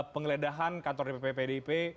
pengeledahan kantor dpp pdip